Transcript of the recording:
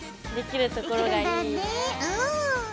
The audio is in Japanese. できるところがいいね。